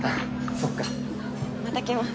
そっかまた来ます